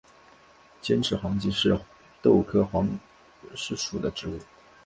尖齿黄耆是豆科黄芪属的植物。